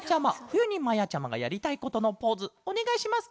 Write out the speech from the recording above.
ふゆにまやちゃまがやりたいことのポーズおねがいします